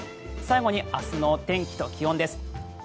最後に明日の天気と気温です。